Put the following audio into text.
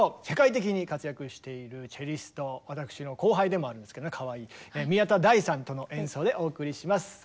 世界的に活躍しているチェリスト私の後輩でもあるんですけどねかわいい宮田大さんとの演奏でお送りします。